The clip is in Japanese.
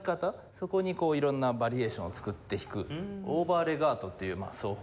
そこに色んなバリエーションを作って弾くオーバーレガートっていう奏法があります。